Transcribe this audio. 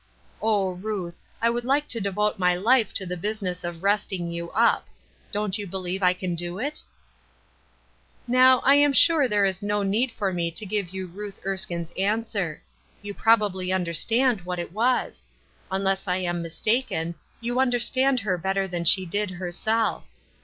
Oh, Ruth, I would like to devote my life to the business of ' resting you up.' Don't you believe I can do it ?" Now, I am sure there is no need for me to give you Ruth Erskine's answer. You probably understand what it was. Unless I am mistaken, you understand her better than she did herself.